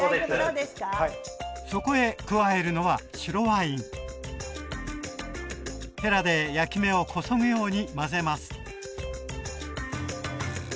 そこへ加えるのは白ワインへらで焼き目をこそぐように混ぜます